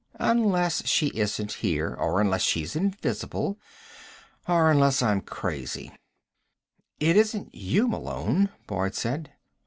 Unless she isn't here. Or unless she's invisible. Or unless I'm crazy." "It isn't you, Malone," Boyd said.